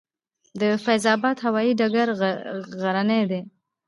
د فیض اباد هوايي ډګر غرنی دی